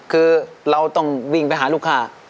คือเราต้องวิ่งไปหาลูกค้า